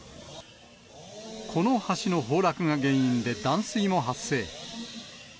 この橋の崩落が原因で断水も発生。